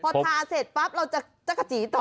พอทาเสร็จเราจะจ๊ะกะจี้ต่อไหม